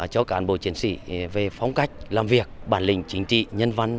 cho cán bộ chiến sĩ về phong cách làm việc bản lĩnh chính trị nhân văn